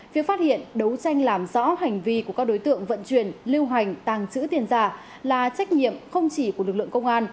việc phát hiện đấu tranh làm rõ hành vi của các đối tượng vận chuyển lưu hành tàng trữ tiền giả là trách nhiệm không chỉ của lực lượng công an